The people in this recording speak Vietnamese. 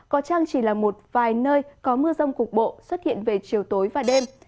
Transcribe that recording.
có chăng chỉ là một vài nơi có mưa rông cục bộ xuất hiện về chiều tối và đêm